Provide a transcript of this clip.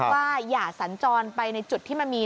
ว่าย่าสันจรไปในจุดที่มี